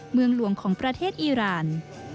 เมืองหลวงของประเทศอีราน